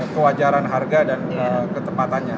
kewajaran harga dan ketepatannya